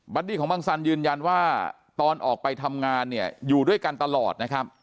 ดี้ของบังสันยืนยันว่าตอนออกไปทำงานเนี่ยอยู่ด้วยกันตลอดนะครับ